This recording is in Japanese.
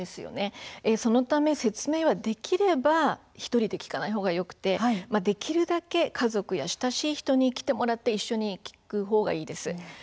そのため説明はできれば１人で聞かない方がよくてできるだけ家族や親しい人に来てもらって一緒に聞く方がいいです。